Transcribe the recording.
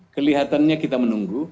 kelihatannya kita menunggu